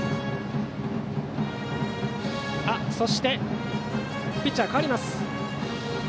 そしてピッチャーが代わります。